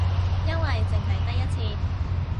因為淨係得一次